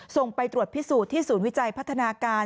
ส่งไปตรวจพิสูจน์ที่ศูนย์วิจัยพัฒนาการ